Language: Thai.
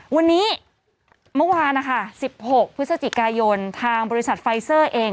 วันนี้เมื่อวานนะคะ๑๖พฤศจิกายนทางบริษัทไฟเซอร์เอง